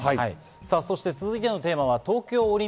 続いてのテーマは東京オリン